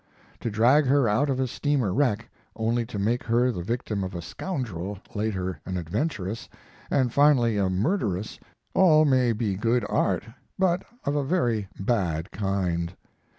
To drag her out of a steamer wreck, only to make her the victim of a scoundrel, later an adventuress, and finally a murderess, all may be good art, but of a very bad kind.